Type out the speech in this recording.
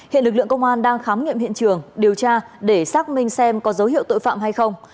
hiện lực lượng công an đang khám nghiệm hiện trường điều tra để xác minh xem có dấu hiệu tội phạm hay không